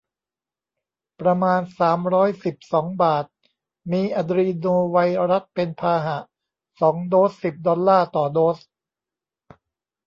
ประมาณ สามร้อยสิบสอง บาท มีอะดรีโนไวรัสเป็นพาหะ สอง โดส สิบ ดอลลาร์ต่อโดส